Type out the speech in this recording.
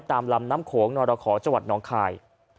ตามลำน้ำโขงนรขอจวัตรนองคาย